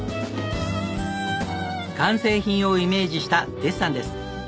完成品をイメージしたデッサンです。